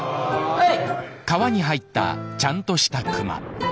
はい。